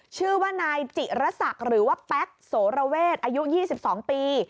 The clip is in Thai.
ชื่อว่านายจิระศักดิ์หรือว่าแป๊กโสระเวทอายุ๒๒ปี